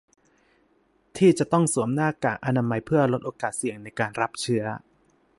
ที่จะต้องสวมหน้ากากอนามัยเพื่อลดโอกาสเสี่ยงในการรับเชื้อ